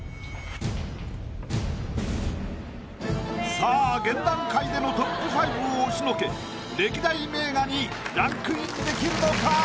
さあ現段階でのＴＯＰ５を押しのけ歴代名画にランクインできるのか？